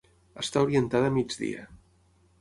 Està orientada a migdia.